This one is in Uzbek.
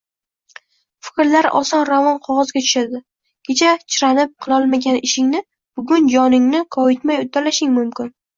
Fikrlar oson-ravon qogʻozga tushadi, kecha chiranib qilolmagan ishingni bugun joningni koyitmay uddalashing mumkin